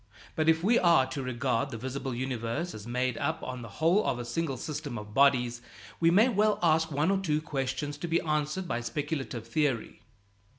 But if we are to regard the visible universe as made up on the whole of a single system of bodies, we may well ask one or two questions to be answered by speculative theory.